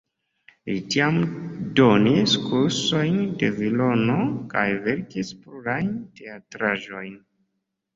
Li tiam donis kursojn de violono kaj verkis plurajn teatraĵojn.